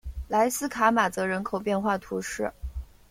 莱斯卡马泽人口变化图示